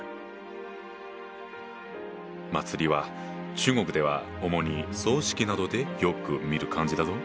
「祭」は中国では主に葬式などでよく見る漢字だぞ。